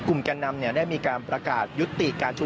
มาดูบรรจากาศมาดูความเคลื่อนไหวที่บริเวณหน้าสูตรการค้า